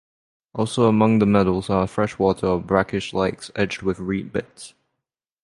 Also among the meadows are freshwater or brackish lakes edged with reed beds.